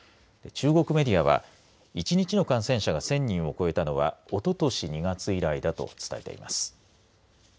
中国メディアは１日にちの感染者が１０００人を超えたのはおととし２月以来だと伝えています。